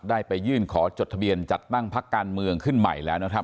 ได้ไปยื่นขอจดทะเบียนจัดตั้งพักการเมืองขึ้นใหม่แล้วนะครับ